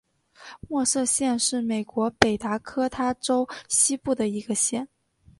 默瑟县是美国北达科他州西部的一个县。